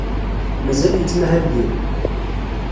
Mazal yettmahal din?